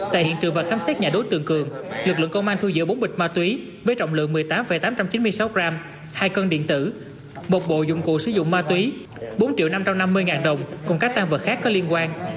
tại hiện trường và khám xét nhà đối tượng cường lực lượng công an thu giữ bốn bịch ma túy với trọng lượng một mươi tám tám trăm chín mươi sáu g hai cân điện tử một bộ dụng cụ sử dụng ma túy bốn triệu năm trăm năm mươi ngàn đồng cùng các tăng vật khác có liên quan